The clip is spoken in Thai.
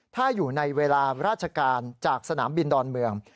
ถ้าอยู่ในเวลาราชการจากสนามบินดอนเมือง